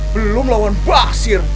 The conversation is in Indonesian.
belum lawan basir